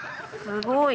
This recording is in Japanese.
すごい。